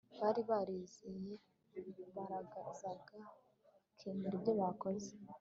bari barizeye barazaga bakemera ibyo bakoze